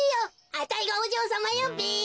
あたいがおじょうさまよべ！